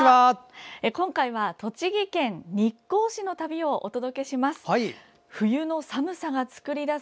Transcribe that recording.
今回は栃木県日光市の旅をお届けします。